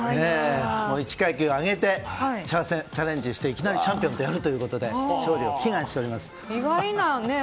１階級上げてチャレンジして、いきなりチャンピオンとやるということで勝利を祈願しております。